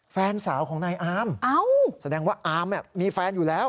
แฟนสาวของนายอามแสดงว่าอามมีแฟนอยู่แล้ว